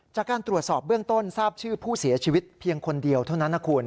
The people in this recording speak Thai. จากการตรวจสอบเบื้องต้นทราบชื่อผู้เสียชีวิตเพียงคนเดียวเท่านั้นนะคุณ